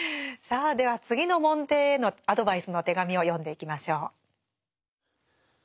さあでは次の門弟へのアドバイスの手紙を読んでいきましょう。